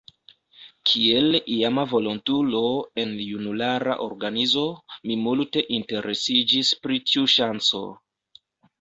Kiel iama volontulo en junulara organizo, mi multe interesiĝis pri tiu ŝanco.